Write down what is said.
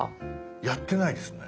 やってないですね。